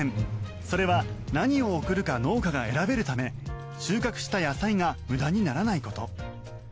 それは何を送るか農家が選べるため収穫した野菜が無駄にならないこと。